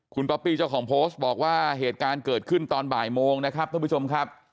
คุณป๊อปปี้เจ้าของโพสต์บอกว่าเหตุการณ์เกิดขึ้นตอนบ่ายโมงนะครับท่านผู้ชมครับ